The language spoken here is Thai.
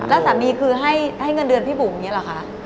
แล้วสามีคือให้เงินเดือนพี่บุ๋มอย่างนี้เหรอคะ